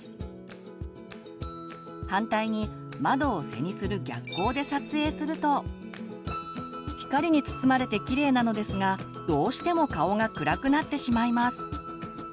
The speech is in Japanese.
反対に窓を背にする逆光で撮影すると光に包まれてきれいなのですがどうしても顔が暗くなってしまいます。